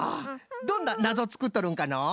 どんななぞつくっとるんかのう？